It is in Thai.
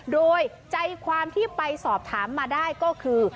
โดยใจความที่ไปสอบถามมาได้ก็คือ